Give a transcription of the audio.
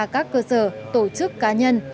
các cơ sở tổ chức cá nhân